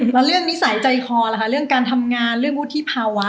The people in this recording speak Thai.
แล้วเรื่องนิสัยใจคอล่ะคะเรื่องการทำงานเรื่องวุฒิภาวะ